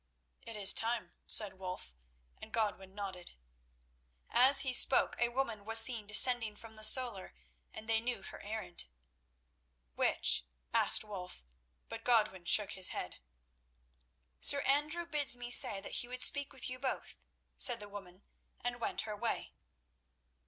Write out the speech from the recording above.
"It is time," said Wulf, and Godwin nodded. As he spoke a woman was seen descending from the solar, and they knew her errand. "Which?" asked Wulf, but Godwin shook his head. "Sir Andrew bids me say that he would speak with you both," said the woman, and went her way.